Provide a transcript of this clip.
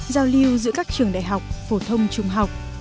giao lưu giữa các trường đại học phổ thông trung học